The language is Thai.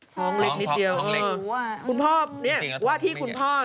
ท้องเล็กนิดเดียวคุณพ่อเนี่ยว่าที่คุณพ่อเนี่ย